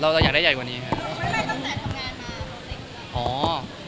เราจะอยากได้ใหญ่กว่านี้ครับ